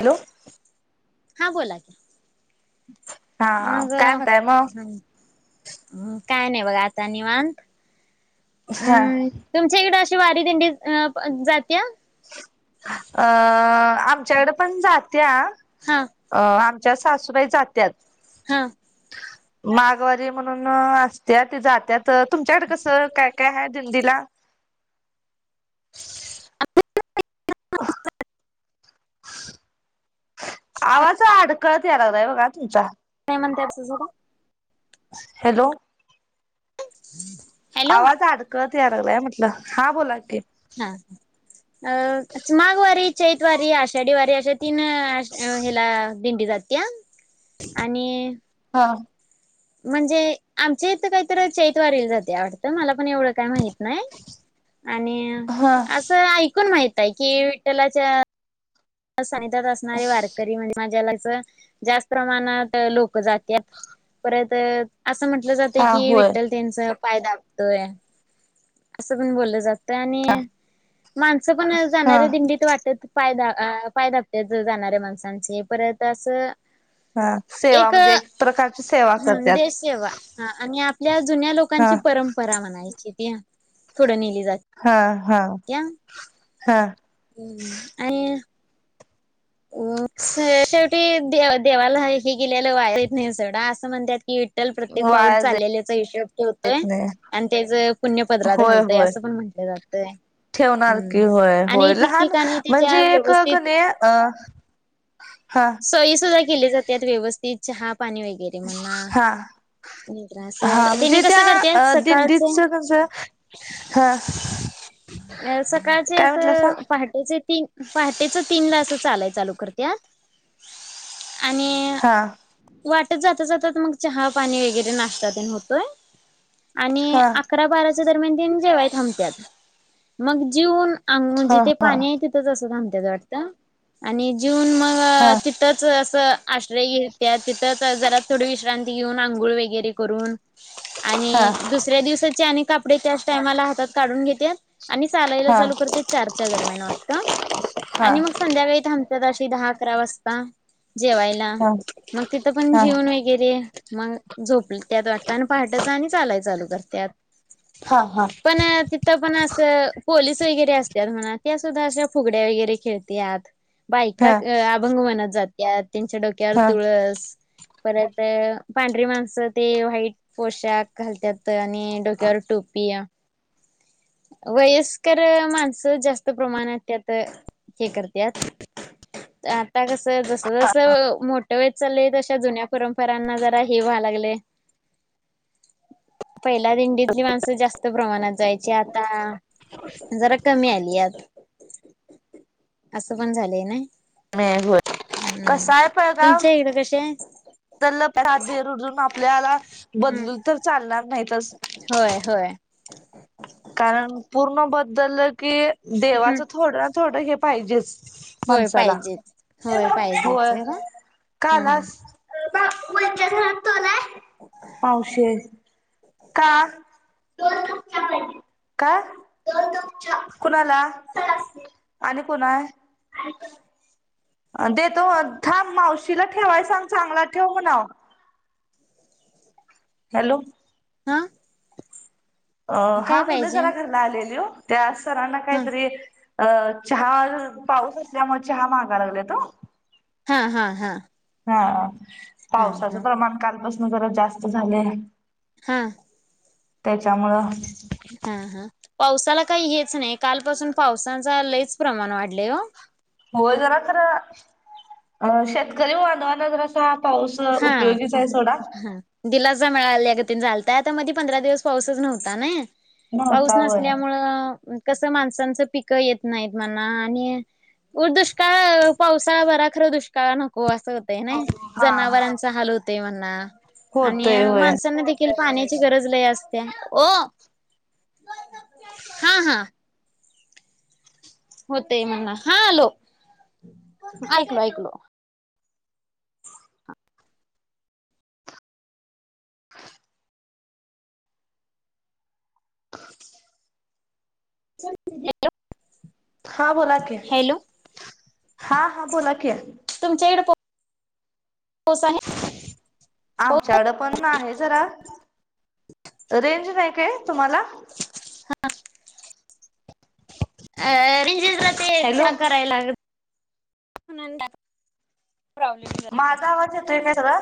Hello हा बोला क हा काय म्हतय मग म् काय नाही बघा आता निवांत हा हम् तुमच्याकडे अशी वारी दिंडी जात्या. अ आमच्याकडे पण हा जातेम. सासूबाई जात्या. हा. माघवारी म्हणून असत्या जात्या तुमच्याकडे कसं काय काय आहे दिंडीला. [unintelligible] आवाज अडकळत याय लागलाय बघा तुमचा. नाही म्हणते आपं स कां हॅलो! हम्म आवाज अडकळत या लागलाय म्हटलं हा बोला की. हा ह अ माघवारी चैत वारी आषाढी वारी अशा तीन. हला दिंडी जात्या आणि हा. म्हणजे आमच्या इथं काहीत ैत वारील जाते आवडतं मला पण एवढं काय माहित नाही. आणि हा असं ऐकून माहित आहेय कि विठ्ठलाच्या सांितात असणारे वारकरी म्हणजे माझ्याला जास्त. प्रमाणात लोक जात परत असं म्हंटलं जातं हा की होय वि्ठ त्यांच पाय दाबतोय असं पण बोललं जात. आणि माणसं पण हा जाणारे दिंडीत वाटत फायदा. अ पाायदा हप्त्याच जाणारे माणसांचे परत असं. हा सेवा एक म्हणजे प्रकारची सेवा ह करत्यात देशसेवा आणि आपल्या जुन्या लोक. हा लोकांची परंपरा म्हणायची. या थोडं नेली जात हा हा या. हा आणि शेवटी देवाला हे गेलेलं वा येत नाही सवढा असं म्हणतात की. ल प्रत्येक पाऊल वाया चाललेल्याचा हिशब ठेवतोय जात नाही आणि त्याच पुण्य पदरात होय घालतोय होय असं पण म्हटलं जातं. ते ठेवणार की होय होय लहान म्हणजे त्याच्या एक व्यवस्थित कण अ हा. सई सुद्धा केली जातात व्यवस्थित चहा पाणी वगैरे म्हणना. हा त त्रास वर हा त्यांने म्हणजे कसं करते त्या सकाळचे. दिंडीच कस हा अ सकाळचे काय अस म्हटलंसा पहाटेचे तीन. पहाटेच तीनदा अस चालाय चालू करत आणि हा वाटत जाता जातात मग चहा पाणी वगैरे नाशतात होतोय. आणि हा अकरा बाराच्या दरम्यान त जेवाय थांबत मग जीवन अ हा जिथे हा पाणी आहे तिथंच असं थांब त्याच्या वाटतं आणि जीऊन मग हा तिथंच असं आश्रय घ तिथंच जरा थोडी विश्रांती घऊन अंघळ वगैरे करून हा आणि दुसऱ्या दिवसाचे, आणि कापडे त्याच टायमाला, हातात काढून घेत्यात आणि चालायला हा चालू करते चारच्या दरम्यान वाजत हा आणि हा मग संध्याकाळी थांब अशी दहा अकरा वाजता जेवायला हा मग तिथ पण जेवन व वगैरे मग झोप त्यात वाटतं आणि पहाटच आणि चालाय चालू करतत. हां हां. पण, तिथं पण अस, पोलीस वगैरे असत्यात म्हणा. त्या सुद्धा अशा फुगड्या वगैरे खेळत्यात, बायका हा हा अ-अभंग म्हणत जात्यात, त्यांच्या डोक् क्यावर हा तुळस परत पांढरी माणसं, ते व्हाईट पोशाख घालत्यात. त आणि डोक्यावर टोपीया वयस्कर माणसं, जास्त प्रमाणात त्यात, हे करत्यात. आता कसं, जस-जस मोठ टवयत चाललंय, तशा जुन्या परंपरांना, जरा हे व्हाय लागलय. पहिला दिंडीतली माणसं, जास्त प्रमाणात जायची, आता [inaudible] जरा कमी आली यात. पण झालेय नाय, होय हम्म, कसा आहे पळगाव तुमच्या इकडं कशे हाय? तर लर [unintelligible] आपल्याला हम्म बदलू, तर चालणार नाही तसं. होय होय. कारण पूर्ण बदंलं की, हम्म देवाचं थोडं, थोडं हे पाहिजेच. होय माणसाला पाहिजेच होय पाहिजेच होय का काय हा आलासं? [unintelligible] पावशेर का? दोन कप चहा पाहिजे. काय? दोन कप चहा कोणाला सरासनि आणि कोण हाय. देतो, थांब, मावशीला ठेवायं सांग, चांगला ठेव म्हणावं. हॅलो अं. अं हा मुलं जरा घरला आलेली हो त्या सरांना हा काहीतरी अ चहा पाऊस असल्यामुळे, चहा मागाया लागलेत ओ हां हां हां. हा, पावसाचं प्रमाण कालपासन जरा जास्त झालय हां. त्याच्यामुळं हां हां, पावसाला काही हेच नाही, कालपासून पावसाचा लयचं प्रमाण वाढलय हो. हो जरा खरं, अ शेतकरी बांधवाना, जरा असं पाऊस हा उपयोगीच आहे. सोडा हा दिलासा मिळाला अगतीने झालताय. आता मधे पंधरा दिवस पाऊसच नव्हता ना! पाऊस नव्हता होय. नसल्यामुळं, कसं माणसांचं पिक येत नाहीत मना आणि उद, दुष्काळ पावसाळा बरा, खरं दुष्काळ नको असं होतंय ना, हा जनावरांचा हाल होतय म्हणां आणि होतय होय. माणसांना देखी [unintelligible] पाण्याची गरज लई असत्या, ओ, हां हां. होतय म्हणां, हां आलो, ऐकलो-ऐकलो. [unintelligible] हां, बोला कि, हॅलो हां हां, बोला कि तुमच्या ईड पा पाऊस आहे? आमच्याकडे पण आहे. जरा रेंज नाही. काय तुम्हाला? हा अ रेंजेसला ते हॅलो. हा कराय लाग. माझा आवाज येतोय काय झाला. तुला?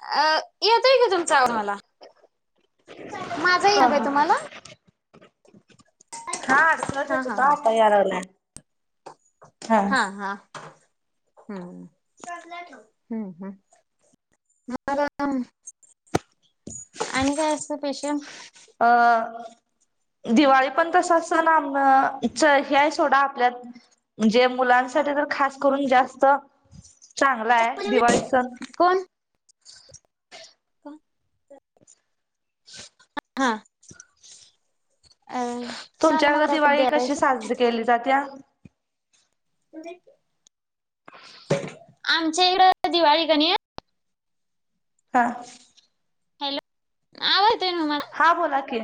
अ [inaudible] येतोय. कि तुमचा आवाज मला माझा येईना हा का काय हा. तुम्हाला? हा अडखळत हा येत हा होता. हा आता यायला लागलाय. हा हा हम्म हम्म हम्म चाल्याना हम्म आणि काय असतं. पेशन्स अ दिवाळी पण तस सण आम हे आहे सोडा आपल्या. म्हणजे मुलांसाठी तर खास करून जास्त चांगला आहे दिवाळी सण. कोण? कां. [inaudible] आ.. तुमच्याकडं दिवाळी कशी साजरी केली जात्या? आमच्या इकडं दिवाळी कणी. हां. हॅलो, आवाज येतोय नव माझा. हा, बोला की.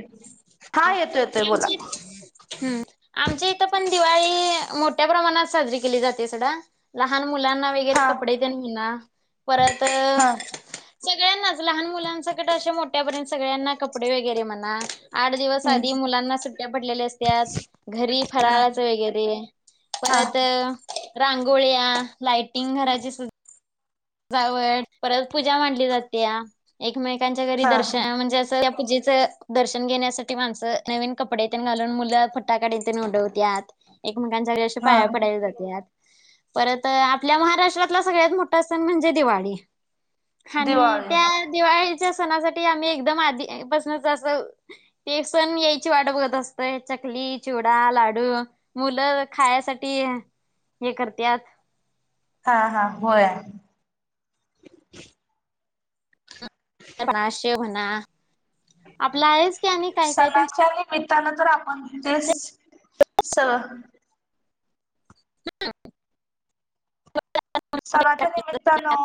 हा, येतोय येतोय आमचा बोला इथं. हम्म, आमच्या इथं पण दिवाळी मोठ्या प्रमाणात साजरी केली जाते सोडा. लहान मुलांना वगैरे, हा कपडे तेन म्हना परत. हा सगळ्यांनाच लहान मुलांनसंकट अशे, मोठ्यापर्यंत सगळ्यांना कपडे वेगैरे म्हणा. आठ दिवस हम्म आधी मुलांना सुट्ट्या पडलेल्या असत्यात, घरी हा फराळाच वेगैरे. हा परत रांगोळ्या, लायटिंग घराची सुद् जावळ परत पूजा मांडली जात्या. एकमेकांच्या घरी हा दर्शन म्हणजे, असं त्या पूजेच. दर्शन घेण्यासाठी माणसं, नवीन कपडे तेन घालून मुलं फटाकडी तेन उडवतत. एकमेकांच्या घरी असं हा पाया पडायला जातात, परत आपल्या महाराष्ट्रातला सगळ्यात मोठा सण. सन म्हणजे, दिवाळी आणि दिवाळी त्यात. दिवाळीच्या सणासाठी आम्ही, एकदम आधीपसनच अस. ते सण यायची वाट बघत असतोय, चकली चिवडा लाडू. मुलं खायसाठी हे करत्यात. हा हा, होय. अनारसे म्हणा. आपला आहेच. की आणि काय काय तुमच्या सणाच्या निमित्तानं तर, आपण ते स. [unintelligible] सणाच्या निमित्तानो.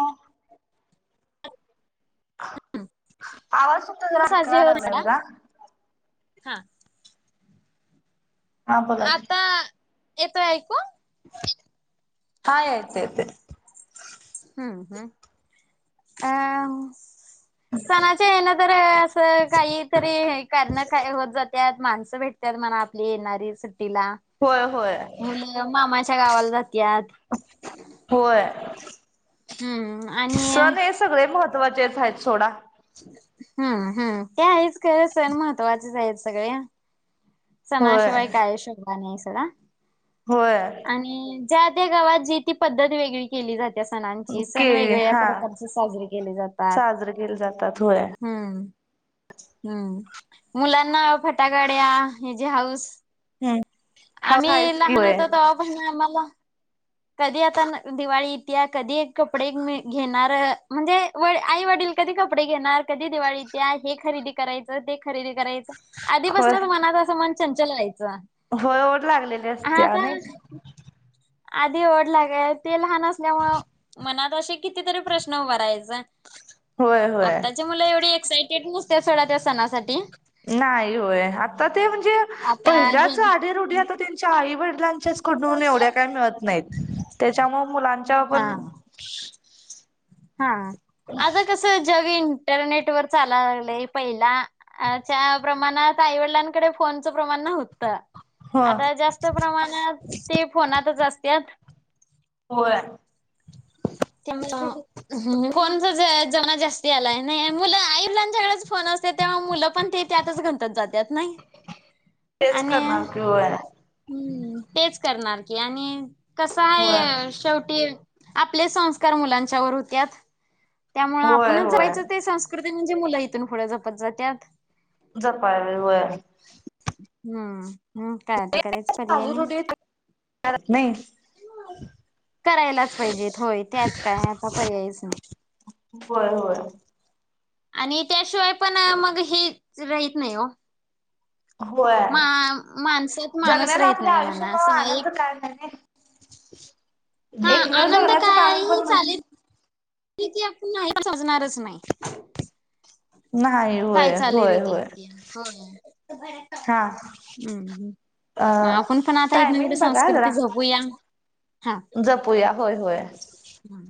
आवाज. तुमचा जरा अडकायला साजरी लागलाय बघा. [unintelligible] हा. हा बोला की. आता, येतोय ऐकू? हा, येतो येतो. हम्म हम्म अ. सणाच्या हेन तर असं काहीतरी, कारण का य होतं जात्यात माणसं भेट त्यात म्हणा आपली येणारी सुट्टीला. होय होय मुलं मामाच्या गावाला जात्यात. होय. हम्म आणि, सण हे सगळे महत्त्वाचेच आहेत सोडा. हम्म हम्, ते आहेच खरं सण महत्त्वाचेच आहेत सगळे. होय सणाशिवाय कायच शोभा नाही सोडा. होय. आणि ज्या त्या गावात जी, ती पद्धत वेगळी. केली जाते सणांची, सण केळी वेगवेगळ्या हा प्रकारचे साजरे केले जातात. साजरे केले जातात होय हम्म. हम्म, मुलांना फटाकड्या हेची हाऊस. हम्म. आम्ही लहान होतो, तवापसण आम्हाला. कधी आता दिवाळी इत्या, कधी कपडे घेणार म्हणजे. व- आई वडील कधी कपडे घेणार, कधी दिवाळी इत्या हे खरेदी. करायचं ते खरेदी करायचं, होय आधीपासूनच मनात असं मन चंचल व्हायचं. होय ओढ लागलेली असतेय आता आणि आधी ओढ लागायला ते लहान असल्यामुळे. मनात असे कितीतरी प्रश्न उभारायच. होय होय आत्ताची मुलं एवढी एक्सायटेड नसते त्या सणासाठी. नाही होय आता ते म्हणजे आता जे पहिल्याच आधी रुढी आता. त्यांच्या आई वडिलांच्याच कडून एवढ्या काही मिळत नाहीत त्याच्या मुळे मुलांच्या पण. हा हा आता कसं जग इंटरनेट वर चालायला लागलंय पहिला. आ च्या प्रमाणात आईवडिलांकडे फोनचं प्रमाण नव्हतं. ह आता जास्त प्रमाणात ते फोनातच असत्यात. होय. [unintelligible] फोन चा जमाना जास्त आलाय नाही मुलं आईलांच्याकडेच फोन असते तेव्हा मुलं पण ते. त्यातच घंटात जात्यात नाही. तेच करणार आणि् की होय तेच करणार की आणि कसा. होय. शेवटी. आपले संस्कार मुलांच्यावर होत्यात त्यामुळे होय आपणच होय जयच ते संस्कार. कृती म्हणजे मुलं इथूनं जपत जातात. जपाय व. हम्म. हम् काय आता करायच पर्याय नाही. भरत नाही. करायलाच पाहिजेत होय त्यात काय आता पर्यायच नाही. बर होय. आणि त्याशिवाय पण मग हे राहत नाही हो. होय मा माणसात माणूस जगण्याला राहत आपल्या नाही म्हणा आयुष्यमुळे असं एक आनंद काय नाही. हा एकमेव आनंद जगण्याचं काय कारण पण ही चालेल म्हणजे. [unintelligible] आपण सजणारच नाही. नाही काय होय चाली होय रीती होय [unintelligible] हा हम्म अ मग आपण पण आता इथन पुढं टायमिंग बघा संस्कृती जरा जपूया हा. जपूया होय होय. हा.